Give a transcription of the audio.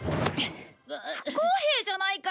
不公平じゃないか！